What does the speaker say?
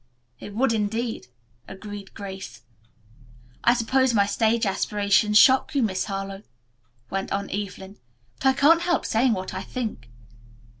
"It would indeed," agreed Grace. "I suppose my stage aspirations shock you, Miss Harlowe," went on Evelyn, "but I can't help saying what I think."